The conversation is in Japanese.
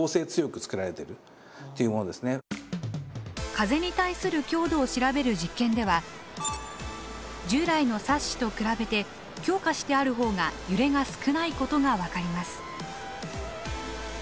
風に対する強度を調べる実験では従来のサッシと比べて強化してある方が揺れが少ないことが分かります。